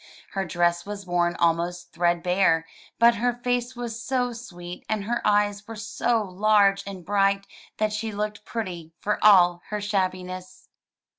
Her dress was worn almost threadbare, but her face was so sweet and her eyes were so large and bright that she looked pretty for all her shabbiness.